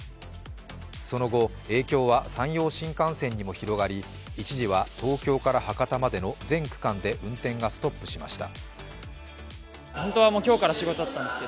その後、影響は山陽新幹線にも広がり、一時は東京から博多までの全区間で運転がストップしました。